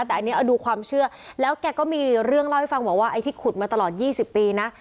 แต่อันนี้เอาดูความเชื่อแล้วแกก็มีเรื่องเล่าให้ฟังบอกว่าไอ้ที่ขุดมาตลอด๒๐ปีนะ